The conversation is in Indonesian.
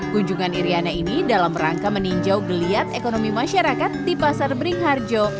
kunjungan iryana ini dalam rangka meninjau geliat ekonomi masyarakat di pasar beringharjo